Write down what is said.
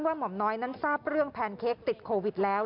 หม่อมน้อยนั้นทราบเรื่องแพนเค้กติดโควิดแล้ว